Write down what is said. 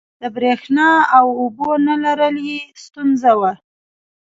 د برېښنا او اوبو نه لرل یې ستونزه وه.